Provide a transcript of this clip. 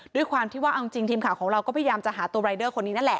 ด้วยความที่ว่าเอาจริงทีมข่าวของเราก็พยายามจะหาตัวรายเดอร์คนนี้นั่นแหละ